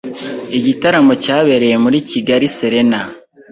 Igitaramo cyabereye muri Kigali Serena